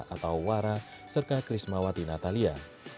atau wara serta krismawati natalia